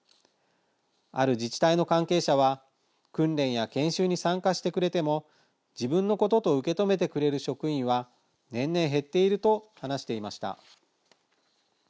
ある自治体の関係者は訓練や研修に参加してくれても自分のことと受け止めてくれる職員は年々減っていると話していました。